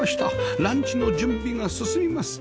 ランチの準備が進みます